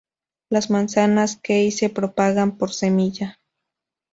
Las manzanas kei se propagan por semilla.